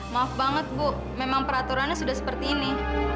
maaf banget bu memang peraturannya sudah seperti ini